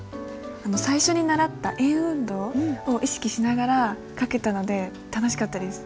最初に習った円運動を意識しながら書けたので楽しかったです。